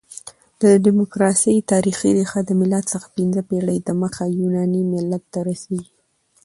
د ډیموکراسۍ تاریخي ریښه د مېلاد څخه پنځه پېړۍ دمخه يوناني ملت ته رسیږي.